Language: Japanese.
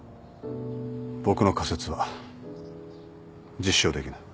僕の仮説は実証できない。